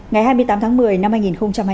ngày hai mươi tám tháng một mươi triệu văn dũng